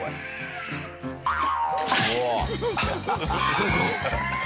すごっ。